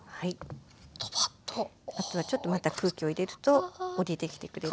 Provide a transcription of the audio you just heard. あとはちょっとまた空気を入れると下りてきてくれるので。